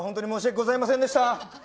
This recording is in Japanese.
申し訳ございませんでした。